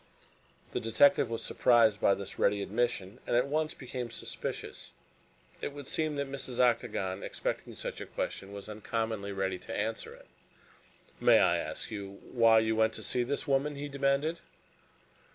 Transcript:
The detective was surprised by this ready admission, and at once became suspicious. It would seem that Mrs. Octagon, expecting such a question, was uncommonly ready to answer it. "May I ask why you went to see this woman?" he demanded.